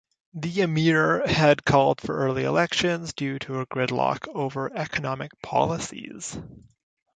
The Emir had called for early elections due to a gridlock over economic policies.